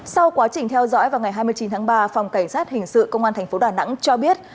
sau quá trình theo dõi vào ngày hai mươi chín tháng ba phòng cảnh sát hình sự công an tp đà nẵng cho biết